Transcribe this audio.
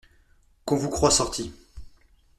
Qu'on vous croie sorti.